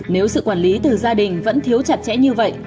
nếu sự quản lý từ gia đình vẫn thiếu chặt chẽ như vậy